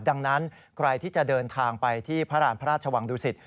ดังนั้นใครที่จะเดินทางไปที่พระราณพระราชวังดุสิต